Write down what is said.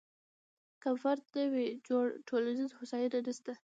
که فرد نه وي جوړ، ټولنیزه هوساینه نشته.